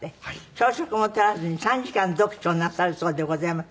朝食も取らずに３時間読書をなさるそうでございます。